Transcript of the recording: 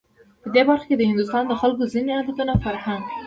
په دې برخه کې د هندوستان د خلکو ځینو عادتونو، فرهنک